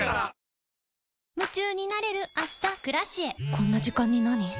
こんな時間になに？